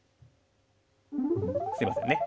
すいませんね。